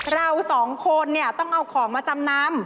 เราสองคนเนี่ยต้องเอาของมาจำนำ